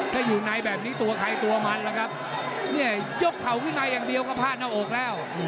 ถ้าอยู่ในแบบนี้ตัวใครตัวมันล่ะครับเนี่ยยกเข่าวินัยอย่างเดียวก็พลาดหน้าอกแล้ว